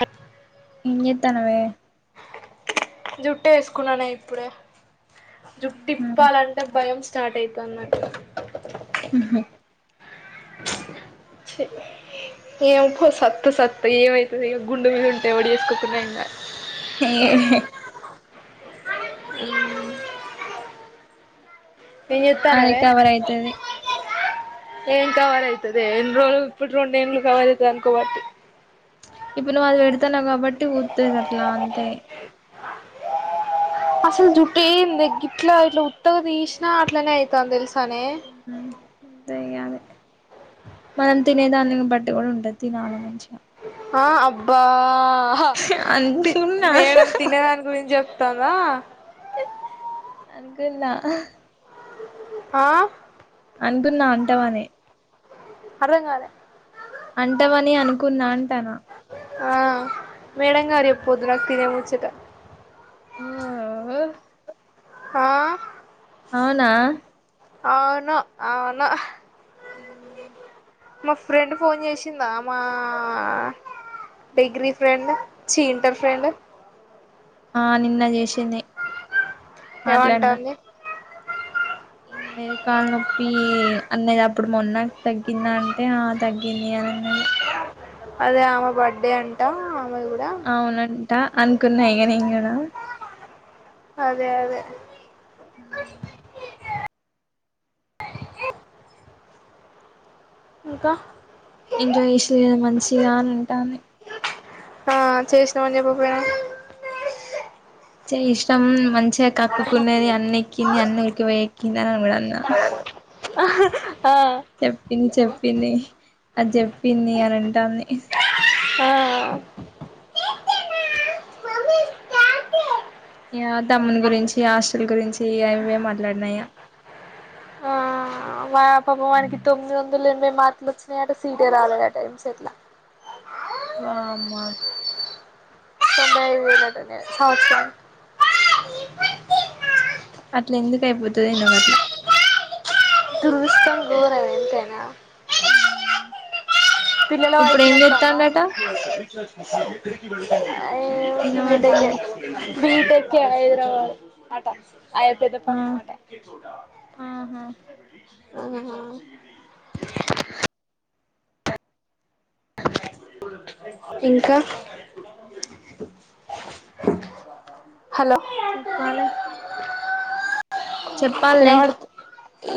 అ ఎం జేత్తన్నవే జుట్టు యేసుకున్ననే ఇప్పుడే జుట్టి ఇప్పాలంటే భయం స్టార్ట్ అయితుంది నాకు ఉమ్ హు చి ఏం పో సత్తే సత్త ఏమయితది ఇగ గుండు మీద ఉంటే ఎవడు జేసుకోకున్న ఏం గాదు ఏ హే ఉమ్ ఏం అదే జేత్తన్నవే కవర్ అయితది ఏం కవర్ అయితదే ఇన్ రోజులు ఇప్పుడు రెండు యేండ్లు కవర్ అయితది అనుకోబట్టి ఇప్పుడు నువ్వు అది బెడుతున్నావు గాబట్టి ఊడ్తది అట్లా అంతే అసలు జుట్టు ఏందే గిట్లా ఇట్లా ఉత్తగా దీషినా అట్లనే అయితాంది దెలుసానే ఉమ్ అంతే ఇగ అది మనం తినేదాన్ని బట్టి గూడా ఉంటది తినాలే మంచిగా ఆ అబ్బా హ అనుకున్నా మేడం తినేదాని గురించి జెప్ తందా అనుకున్నా ఆ అనుకున్నా అంటవని అర్థంగాలే అంటవని అనుకున్నా అంటన ఆ మేడంగారు జెప్పొద్దు నాకు తినే ముచ్చట ఆ ఆ ఆ అవునా అవును అవును ఉమ్ మా ఫ్రెండ్ ఫోన్ జేసిందా మా డిగ్రీ ఫ్రెండ్ చీ ఇంటర్ ఫ్రెండ్ ఆ నిన్న జేసింది ఏమంటాంది మెదికాల్ నొప్పి అన్నది అప్పుడు మొన్న తగ్గిందా అంటే ఆ తగ్గింది అని అన్నది అదే ఆమె బర్త్డే అంటా ఆమె గూడా అవునంట అనుకున్నా ఇగా నేను గూడా అదే అదే ఉమ్ ఇంకా ఎంజాయ్ జేసిర్రు గదా మంచిగా అని అంటాంది ఆ చేసినామని చెప్పకపోయినవ్ చేసినమ్ మంచిగా కక్కుకునేది అన్ని ఎక్కింది అన్ని ఉరికిపోయి ఎక్కింది అని గూడా అన్నా ఆ చెప్పింది. చెప్పింది. అది, చెప్పింది, అనిఅంటాంది. ఆ, యా, తమ్మునిగురించి, హాస్టల్, గురించి అవేమాట్లాడినా, ఇగ ఆ మా పాపం వానికి తొమ్మిది వందలు ఎనభై మార్కులు వచ్చినాయి, అట సీటే రాలేదు. అట ఎంసెట్ లా వామ్మ, తొంబై ఐదు వెయ్యిలేటనే, సంవత్సరానికి, అట్ల, ఎందుకు, అయిపోతదో, ఏందో అట్ల స్తాం [unintelligible] గోరం, ఎంతేనా, హ్మ్మ్ పిల్లల, వాయిస్, వినోత్తందా, అ [inaudible] బీటెక్, ఇనబడతాంది చేసిన బీటెక్, హైదరాబాద్, ఆట, అయ్యో, ఆ పెద్దపట్నం, అట, ఆహా ఆ ఇంకా, హలో, చెప్పాలి, చెప్పాలనే ఇనవాడు,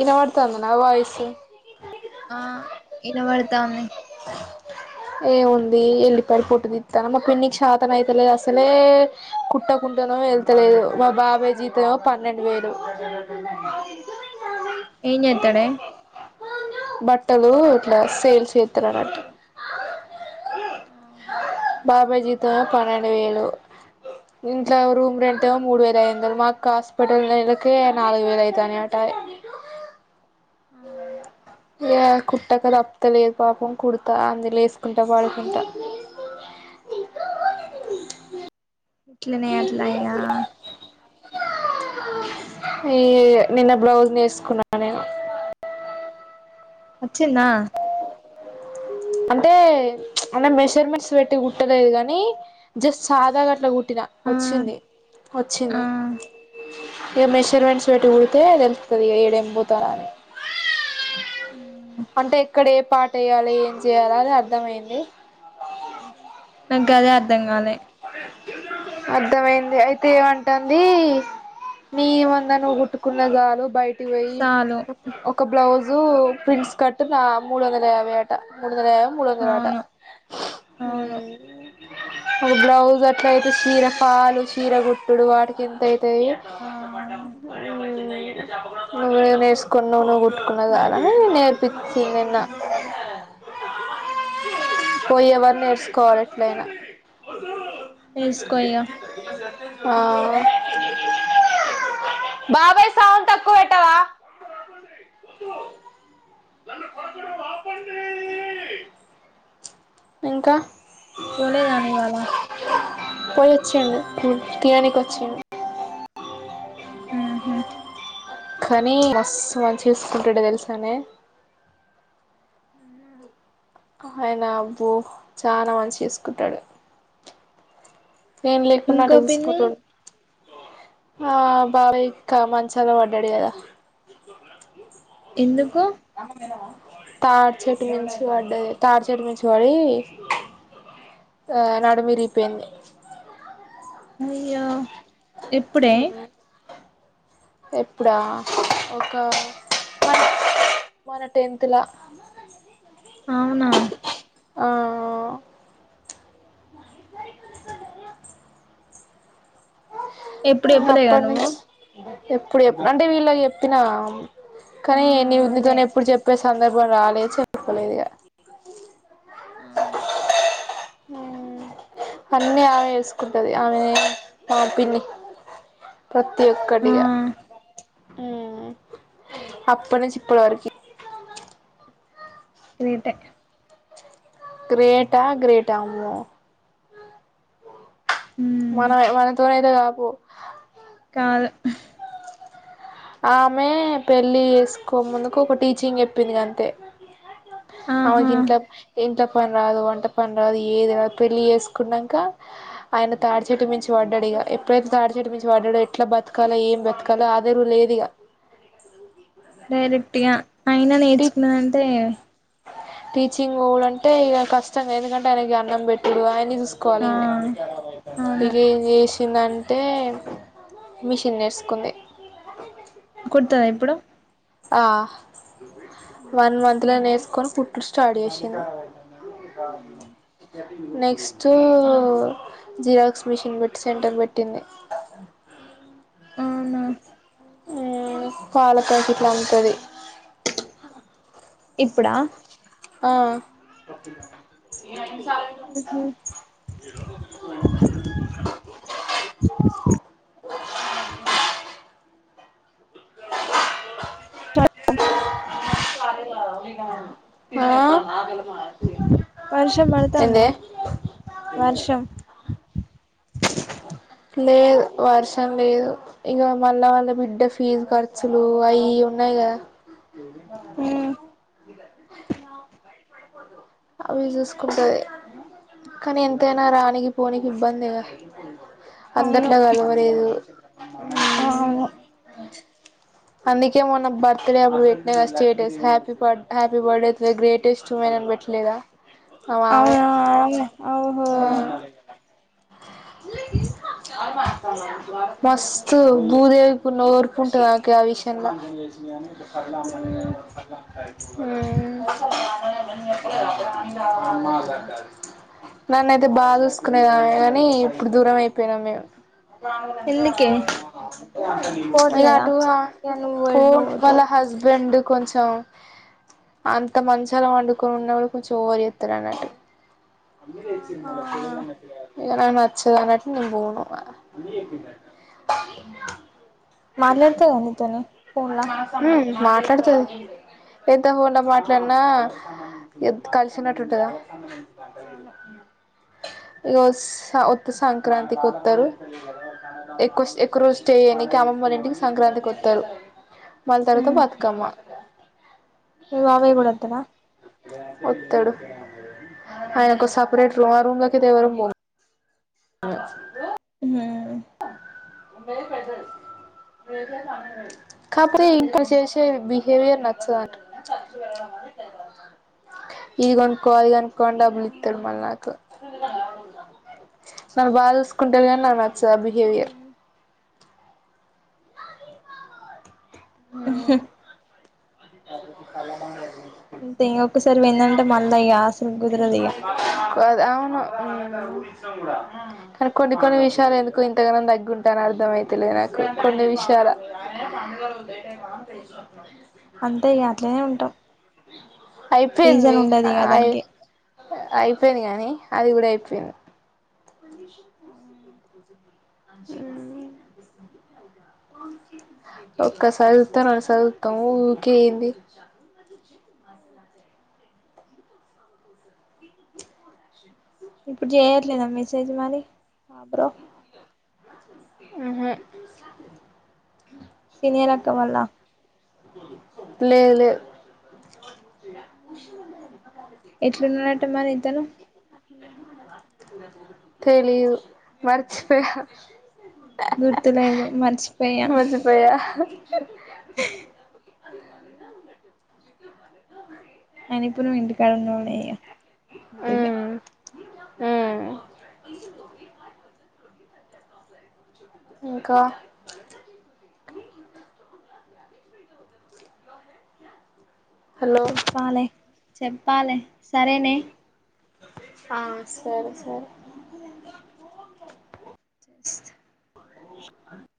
ఇనవాడుతంద, నా, వయిసు ఆ, ఇనవడుతంది ఏముంది. ఎళ్లిపాయ, పొట్టుతిస్తున్న, మా, పిన్నికి చాతన, అవుతలేదు. అసలే, కుట్టకుంటనెమో, వెళ్తలేదు, మా, బాబాయ్, జీతంమేమో, పన్నెండు వేలు ఏ చేస్తాడే బట్టలు, ఇట్లా, సేల్స్, చేస్తారన్నట్టు. ఆఓహో బాబాయ్ జితమ్మేమో, పన్నెండు వేలు ఇంట్లో, రూమురెంట్ ఏమో మూడు వేల అయిందవందలు, మాకు, హాస్పిటల్, నెలకి నాలుగు వేల, అయితునేమాట అవును, ఇగా, కుట్టక, తప్పతలేదు, పాపం. కుడతా అందు లేసుకుంటా, పడుకుంటా, ఇట్ల, నే, అట్ల, ఈయ ఈ, నిన్న, బ్లౌజ్, నేసుకున్నా, నేను, వచ్చిందా అంటే, అన్న, మెజర్మెంట్స్, పెట్టి, కుట్టలేదు. కాని, జస్ట్ సాదా, గట్లా, కుట్ట టి ఆ వచ్చింది. ఆ వచ్చింది. ఇక, మెషర్మెంట్స్, పెట్టి, కుడితే తెలుస్తుంది. ఇక ఏడ ఎం పోతాద అని, అంటే, ఎక్కడ, ఏ, పార్ట్, ఏయాలి అని ఏయాల, అని, అర్థమైంది. నాకు, గదే, అర్థం కాలే, అర్ధమయింది. అయితే, ఏమంటుంది. నీ, మందం, నువ్వు, కుట్టుకున్న, చాలు, బయటకి సాలు ఒక, బ్లౌజు, ప్రిన్సేకట్, నా మూడువందల యాభై ఆట, మూడొందలయాబై, ముందుండాలుట అవును అవును ఒకబ్లౌజ్, అట్ల, అయితే, చీరపలు, చీరగుట్టుడు, వాటికి, ఎంత, అయితయి, ఆ నువ్వు, నేర్చుకును్వు నిదినువ్వు కుట్టుకున్న చాలాని నేర్పిించిది, నిన్న, హ పోయి, ఎవరు నేర్చుకోవాలి, ఎట్లయినా, వేసుకో ఇగ ఆ బాబాయ్ సౌండ్ తక్కువ పెట్టవా అ ఇంకా పోలేదనే ఇవాళ పోయి వచ్చింది తియనికి వచ్చింది ఉహు కానీ మస్తు మంచి చూసుకుంటాడు తెలుసానే ఊ ఆయన అబ్బో చాలా మంచి చూసుకుంటాడు నేను ఇంకో లేకుంన్నటు పిన్ని చూసుకుంటడు ఆ బాబాయ్ ఇక్క మంచాల పడ్డాడు కదా ఎందుకు తాడు చెట్టు మించు వడ్డది తాడు చెట్టుమించు వడి ఆ నడుము విరిగిపోయింది అయ్యో ఇప్పుడే ఎప్పుడ ఒక మా మన టెన్త్ లా అవునా ఆ ఎప్పుడు చెప్పలేదా అప్పటి నువ్వు నుంచి ఎప్పుడు అంటే వీళ్ళకు చెప్పినా ఆ కానీ ని అదే నీతోని ఎప్పుడు చెప్పే సందర్భం రాలేదు చెప్పులేదిగా అవ్ను అన్నీ ఆమె చూస్కుంటుంది ఆమె ఆ పిన్ని ప్రతి ఆ ఒక్కడిగా ఉహ్ అప్పుడ్నుంచి ఇప్పుడ వరకి గ్రేట్ ఏ గ్రేటా గ్రేటా అమ్మో మన మనతోనైతే కాపో కాదు ఉ ఆమె పెళ్ళి ఏస్కో ముందుకు ఒక టీచింగ్ చెప్పిందంతే ఆమే ఆహా ఇంట్ల ఇంట్ల పని రాదు వంట పని రాదు ఏది రాదు పెళ్ళి ఏస్కున్నాక ఆయన తాడ్చెట్టు మించి వాడ్డాడిగ ఎప్పుడైతే తాడ్చెటు మించి వాడ్డాడో ఎట్లా బత్కలో ఏం బత్కాలో ఆదర లేదు ఇగ డైరెక్ట్గా అయినా నేర్చుకున్నదంటే టీచింగోడు అంటే ఇగ కష్టంగా ఎందుకంటే ఆయనకి అన్నం పెట్టుడు ఆయన్ని చూస్ ఆ కోవలిమే అవును ఇగ ఏం జేస్ అంటే మిషన్ నేర్సుకుంది కుడ్తావ ఇప్పుడు ఆ వన్ మంత్ల నేస్కొని కుట్టుడు స్టార్ట్ చేసింది గాజుము నెక్స్టు జీరాక్స్ మిషన్ వేట్టి సెంటర్ పెట్టింది అవున ఉహ్ పాల పాకిట్లమ్ముతది ఇప్పుడా ఆ ఉహు [unintelligible] ఆ వర్షం పడుతాందా ఏందే వర్షం లేదు వర్షం లేదు ఇవా మళ్ళా ఆళ్ళ బిడ్డ ఫీజు ఖర్చులు అయి ఇయి ఉన్నాయి కదా ఊ అవి చూస్కుంటది కానీ ఎంతైనా రానీకి పోనికి ఇబ్బందేగా అందట్లో కలవలేదు ఆ అవును అందుకే మొన్న బర్త్డే అప్పుడు పెట్నాగా status happy happy birthday [inaudible] greatest women అని పెట్ ట్లేదా మా మామే అవునా అవును ఓహో ఆ మస్తు భూదేవికున్న ఓర్పుంటదా కా విషయం లా మ్మ్ ఆ నన్నైతే బా చూస్కునేదామె గానీ ఇప్పుడు దూరమైపోయినాం మే ఎందుకే ఇగ అ పోవట్లేదా టు ఆ ఇగ నువ్వు ఎటు ఫోన్ వాళ్ళ పోతావ్ హస్బెండు కొంచెం అంత మంచాల వండుకొని ఉన్నోడు కొంచెం ఓవర్ జేత్తారన్నట్టు [inaudible] ఆహా ఇగ నాకు నచ్చేవరకు నేను పోను మాట్లాడతాదా నీతోని ఫోన్లా ఊ మాట్లాడతాది ఎంత ఫోన్లో మాట్లాడినా నా ఎత్ కలిసినట్టుంటదా అవును ఇగ ఒస్ ఆ ఒత్తే సంక్రాంతి కొత్తరు ఎక్కుస్ ఎక్కువ రోజు స్టే చేయడానికి అమ్మమ్మోళ్ల ఇంటికి సంక్రాంతికి వొత్తరు మళ్ళ తరువాత మ్మ్ బతుకమ్మ మీ మామయ్య కూడా వత్తడా ఒత్తడు ఆయనకు ఓ సపరేట్ రూమ్ ఆ రూమ్ లోకి అయితే ఎవరము పోము అ ఉ ఆమ్ [inaudible] కాపోతే ఇంక చేసే బిహేవియర్ నచ్చదు [unintelligible] ఇది కొనుక్కో అది కొను కొ అని డబ్బులు ఇత్తడు ఆహా మల్ల నాకే నన్ను బాగా చూసుకుంటరు కానీ నాకు చా బిహేవియర్ మ్మ్ ఇంతే ఇంగ ఒక్కసారి పోయిందంటే మళ్ళ ఇగ అసలికి కుదరదిగ ఓ అది అవును కానీ కొన్ని కొన్ని విషయాల్ల ఎందుకో ఇంతగానం తగ్గి ఉంటాన్న అర్థమయితలేదు నాకు కొన్ని విషయాల ఆమే పండగల ఉండే ంటే మా [inaudible] అంతే ఇగ అట్లనే ఉంటం. అయిపోయింది ఇగ అయి దానికి అయిపోయింది గానీ అది కూడా అయిపోయింది. [inaudible] [inaudible] ఒక్కసారి చూత్తం రెండు సార్లు చూత్తాం ఊకే ఏంది. అస్సలు [inaudible] ఇప్పుడు చెయట్లేదా మెసేజ్ మరి ఆ బ్రో ఉహ్ సినీయర్ అక్కవాళ్ళా. లేదు లేదు. ఫ్రెష్గుంటయి నిమ్మకాయలకి ఎట్లున్నడట మరి ఇతను. తెలీదు, మరిచిపోయా. గుర్తులేదు, మర్చిపోయా. పోయా ఏ అయినా ఇప్పుడు నువ్వు ఇంటికాడ ఉండుడేగా అద్దు ఇగ. హ్ ఇంకా హలో చెప్పాలే, చెప్పాలే, సరేనే. ఆ సరే సరే.